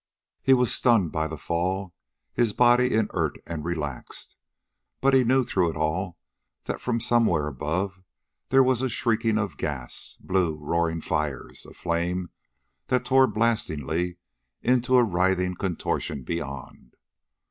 He was stunned by the fall, his body inert and relaxed. But he knew through it all that from somewhere above there was shrieking of gas blue, roaring fires a flame that tore blastingly into a writhing contortion beyond.